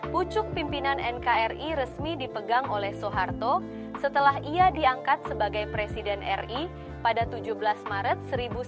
pucuk pimpinan nkri resmi dipegang oleh soeharto setelah ia diangkat sebagai presiden ri pada tujuh belas maret seribu sembilan ratus sembilan puluh